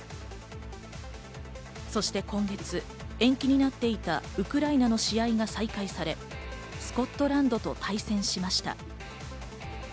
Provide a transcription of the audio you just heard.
そして今月、延期になっていたウクライナの試合が再開され、スコットランドと対戦しました。